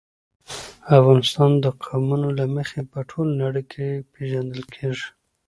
افغانستان د قومونه له مخې په ټوله نړۍ کې پېژندل کېږي.